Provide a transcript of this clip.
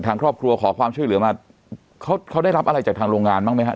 ทางครอบครัวขอความช่วยเหลือมาเขาเขาได้รับอะไรจากทางโรงงานบ้างไหมฮะ